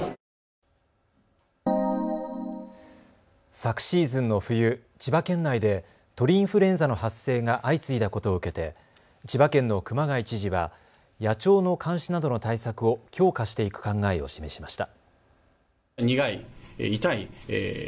昨シーズンの冬、千葉県内で鳥インフルエンザの発生が相次いだことを受けて千葉県の熊谷知事は野鳥の監視などの対策を強化していく考えを示しました。